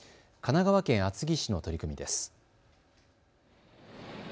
神奈川県厚木市の取り組みです。